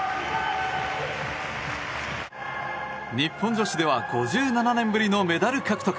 日本女子では５７年ぶりのメダル獲得。